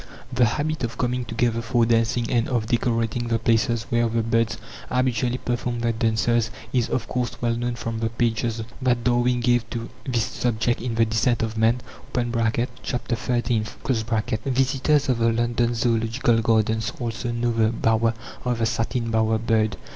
The habit of coming together for dancing and of decorating the places where the birds habitually perform their dances is, of course, well known from the pages that Darwin gave to this subject in The Descent of Man (ch. xiii). Visitors of the London Zoological Gardens also know the bower of the satin bower bird.